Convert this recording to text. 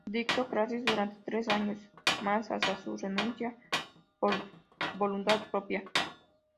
Dictó clases durante tres años más hasta su renuncia por voluntad propia.